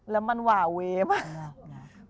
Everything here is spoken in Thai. แล้วมันหว่าเว้มาก